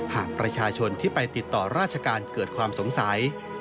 หากประชาชนที่ไปติดต่อราชการเกิดความสงสัย